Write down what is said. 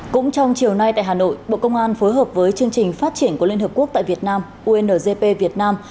cũng trong chiều nay tại hà nội bộ công an phối hợp với chương trình phát triển của liên hợp quốc tại việt nam uncp việt nam